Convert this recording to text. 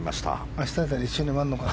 明日辺り一緒に終わるのかな。